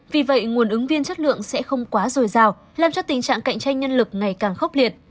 vì vậy nguồn ứng viên chất lượng sẽ không quá dồi dào làm cho tình trạng cạnh tranh nhân lực ngày càng khốc liệt